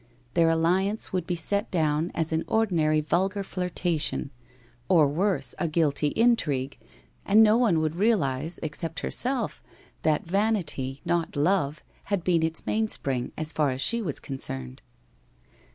Their alliance would be set down as an ordinary vulgar flirtation — or worse a guilty intrigue — and no one would realize, except herself, that vanity, not love, had been its mainspring as far as she was concerned.